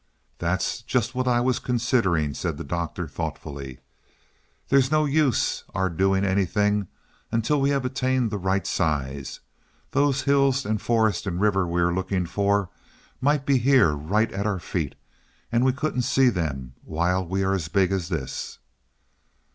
"That's just what I was considering," said the Doctor thoughtfully. "There's no use our doing anything until we have attained the right size. Those hills and the forest and river we are looking for might be here right at our feet and we couldn't see them while we are as big as this."